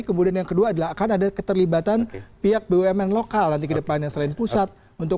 kemudian yang kedua adalah akan ada keterlibatan pihak bumn lokal nanti ke depannya selain pusat